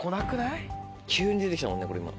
急に出てきたもんねこれ。